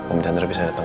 om chandra bisa datang